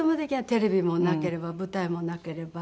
テレビもなければ舞台もなければ。